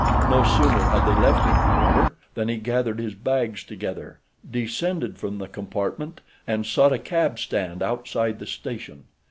No sooner had they left him, however, than he gathered his bags together, descended from the compartment and sought a cab stand outside the station.